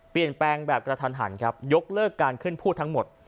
เปลี่ยนแปลงแบบกระทันหันครับยกเลิกการขึ้นพูดทั้งหมด